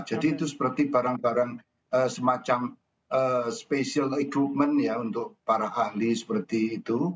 jadi itu seperti barang barang semacam special equipment untuk para ahli seperti itu